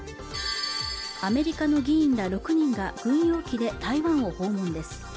アメリカの議員ら６人が軍用機で台湾を訪問です